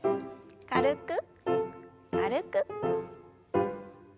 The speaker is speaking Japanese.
軽く軽く。